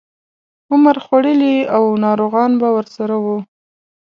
عمر خوړلي او ناروغان به ورسره وو.